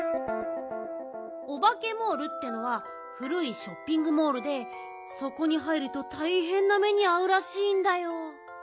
オバケモールっていうのはふるいショッピングモールでそこに入るとたいへんな目にあうらしいんだよ。